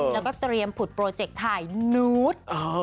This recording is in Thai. แล้วก็เตรียมผุดโปรเจกต์ถ่ายนูธ